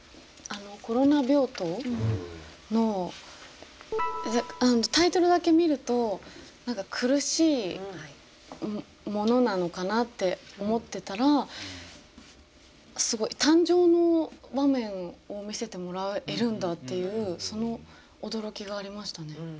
「コロナ病棟」のタイトルだけ見ると何か苦しいものなのかな？って思ってたらすごい誕生の場面を見せてもらえるんだっていうその驚きがありましたね。